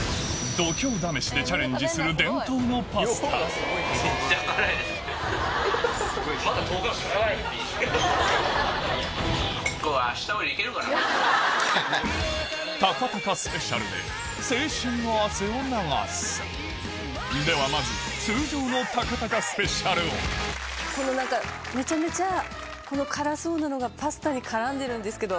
でチャレンジする伝統のパスタ高高スペシャルでを流すではまずこの何かめちゃめちゃ辛そうなのがパスタに絡んでるんですけど。